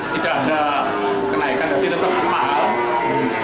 tidak ada kenaikan tapi tetap mahal